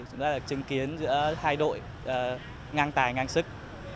chúng ta được chứng kiến giữa hai đội ngang tài ngang sức